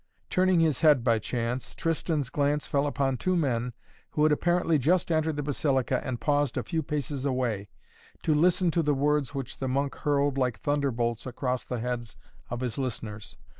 Turning his head by chance, Tristan's glance fell upon two men who had apparently just entered the Basilica and paused a few paces away, to listen to the words which the monk hurled like thunderbolts across the heads of his listeners.